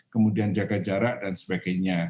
kemudian jaga jarak dan sebagainya